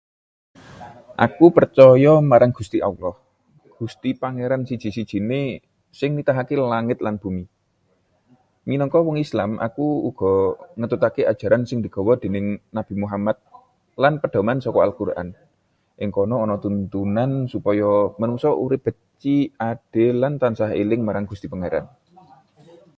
Aku percoyo marang Gusti Allah, Gusti Pengeran siji-sijine sing nitahake langit lan bumi. Minangka wong Islam, aku uga ngetutake ajaran sing digawa dening Nabi Muhammad lan pedoman saka Al-Qur'an. Ing kono ana tuntunan supaya manungsa urip becik, adil, lan tansah eling marang Gusti Pengeran.